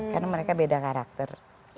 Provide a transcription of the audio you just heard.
karena mereka beda karakter